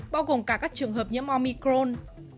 bao gồm cả các trường hợp nhiễm omicron